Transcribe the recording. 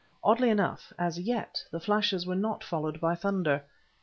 Oddly enough, as yet the flashes were not followed by thunder.